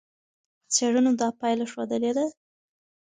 څېړنو دا پایله ښودلې ده.